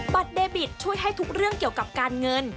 เดบิตช่วยให้ทุกเรื่องเกี่ยวกับการเงิน